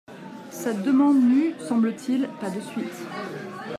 Cette demande n'eut, semble-t-il, pas de suite.